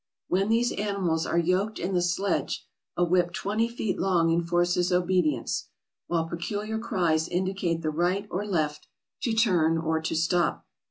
When these animals are yoked in the sledge, a whip twenty feet long enforces obedience; while peculiar cries indicate the right or left, to turn, or to stop.